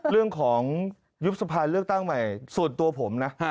เรื่องของยุบสภาเลือกตั้งใหม่ส่วนตัวผมนะ